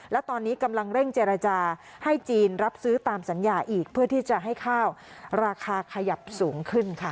และตอนนี้กำลังเร่งเจรจาให้จีนรับซื้อตามสัญญาอีกเพื่อที่จะให้ข้าวราคาขยับสูงขึ้นค่ะ